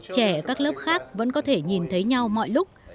trẻ các lớp khác vẫn có thể nhìn thấy nhau mọi lúc